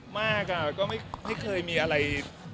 มากก็ไม่เคยมีอะไร